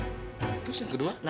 terus yang kedua